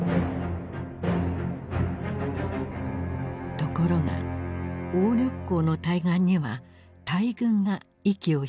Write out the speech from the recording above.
ところが鴨緑江の対岸には大軍が息を潜めていた。